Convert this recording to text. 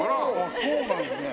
そうなんですね。